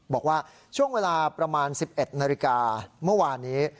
บอกว่าช่วงเวลาประมาณ๑๑นาฬิกาเมื่อวานนี้